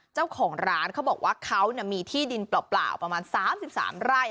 เจ้าของร้านเขาบอกว่าเขามีที่ดินเปล่าประมาณ๓๓ไร่